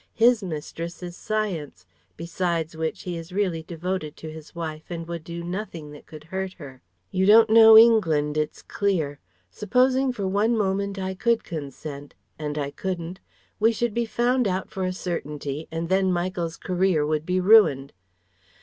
His mistress is Science, besides which he is really devoted to his wife and would do nothing that could hurt her. You don't know England, it's clear. Supposing for one moment I could consent and I couldn't we should be found out to a certainty, and then Michael's career would be ruined.